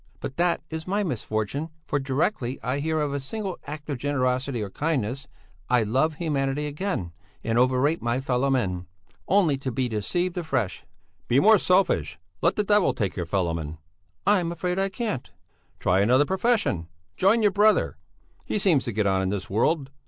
But that is my misfortune; for directly I hear of a single act of generosity or kindness, I love humanity again, and overrate my fellowmen, only to be deceived afresh." "Be more selfish! Let the devil take your fellowmen!" "I'm afraid I can't." "Try another profession; join your brother; he seems to get on in this world.